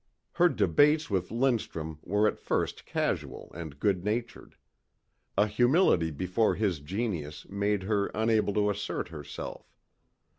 Her debates with Lindstrum were at first casual and good natured. A humility before his genius made her unable to assert herself.